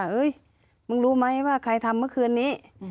เฮ้ยมึงรู้ไหมว่าใครทำเมื่อคืนนี้